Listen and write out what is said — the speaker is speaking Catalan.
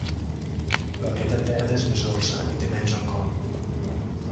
La varietat verda és més dolça i té menys alcohol.